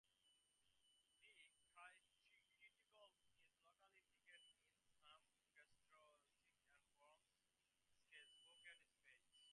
The cuticle is locally thickened in some gastrotrichs and forms scales, hooks and spines.